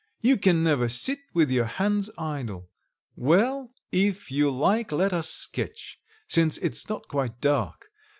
You can never sit with your hands idle. Well, if you like let us sketch, since it's not quite dark.